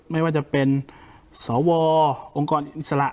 ไม่ว่าจะเป็นสวองค์กรอิสระ